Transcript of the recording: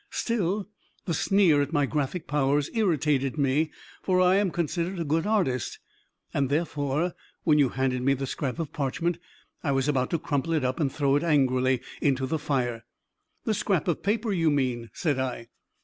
Still, the sneer at my graphic powers irritated me for I am considered a good artist and, therefore, when you handed me the scrap of parchment, I was about to crumple it up and throw it angrily into the fire." "The scrap of paper, you mean," said I.